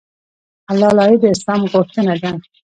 حلال عاید د اسلام غوښتنه ده.